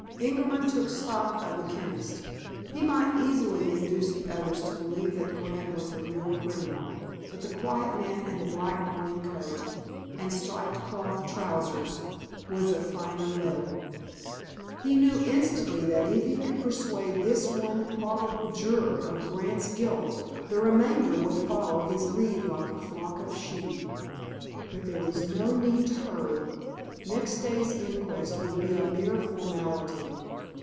Ingerman took stock of the chemist. He might easily induce the others to believe that Grant was the real criminal, but the quiet man in the black morning coat and striped cloth trousers was of finer metal. He knew instantly that if he could persuade this one "probable juror" of Grant's guilt, the remainder would follow his lead like a flock of sheep. But there was no need to hurry. Next day's inquest would be a mere formality.